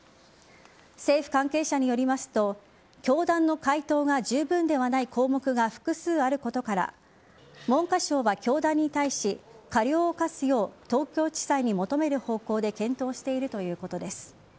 政府関係者によりますと教団の回答が十分ではない項目が複数あることから文科省は教団に対し過料を科すよう東京地裁に求める方向で検討しているということです。